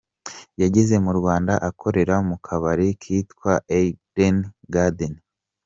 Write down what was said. Yageze mu Rwanda akorera mu kabari kitwaga Eden Garden.